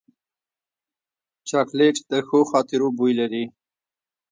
چاکلېټ د ښو خاطرو بوی لري.